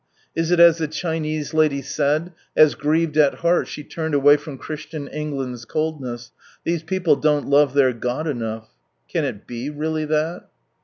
Is it as the Chinese lady said, as grieved at heart, she turned away from Christian England's coldness^ " These people don't love their God enough "! Can it be really that